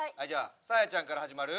サーヤちゃんから始まる。